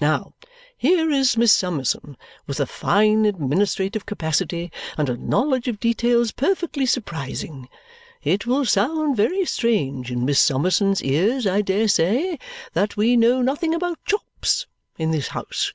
Now, here is Miss Summerson with a fine administrative capacity and a knowledge of details perfectly surprising. It will sound very strange in Miss Summerson's ears, I dare say, that we know nothing about chops in this house.